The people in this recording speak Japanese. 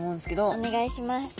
お願いします。